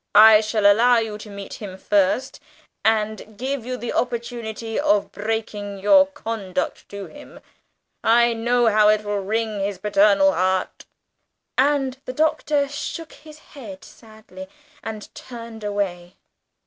"I shall allow you to meet him first, and give you the opportunity of breaking your conduct to him. I know how it will wring his paternal heart!" and the Doctor shook his head sadly, and turned away.